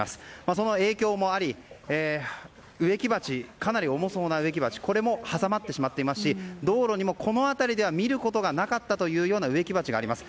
その影響もありかなり重そうな植木鉢ですがこれも挟まってしまっていますし道路にも、この辺りでは見ることがなかったような植木鉢があります。